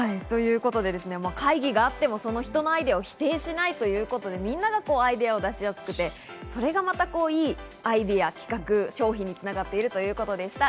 会議があっても、その人のアイデアを否定しないということで、みんながアイデアを出しやすくて、それがまたいいアイデア、企画商品に繋がっているということでした。